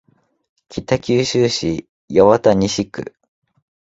北九州市八幡西区